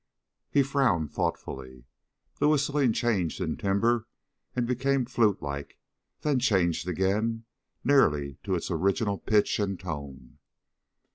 He frowned thoughtfully. The whistling changed in timbre and became flutelike, then changed again, nearly to its original pitch and tone.